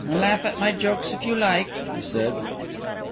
"Laugh at my jokes, if you like," he said.